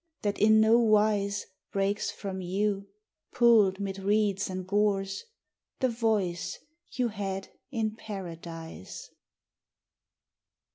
that in no wise Breaks from you, pooled 'mid reeds and gorse, The voice you had in Paradise?